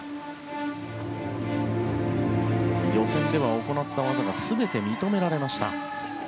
予選では行った技が全て認められました。